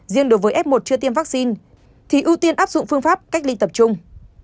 riêng đối với f một chưa tiêm vaccine thì ưu tiên áp dụng phương pháp cách ly tập trung